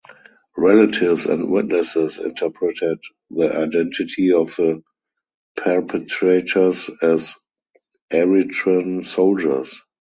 Relatives and witnesses interpreted the identity of the perpetrators as Eritrean soldiers.